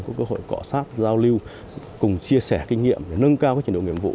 có cơ hội cọ sát giao lưu cùng chia sẻ kinh nghiệm để nâng cao trình đội nghiệm vụ